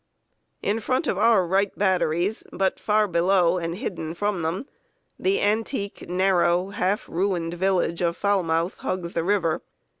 In front of our right batteries, but far below and hidden from them, the antique, narrow, half ruined village of Falmouth hugs the river.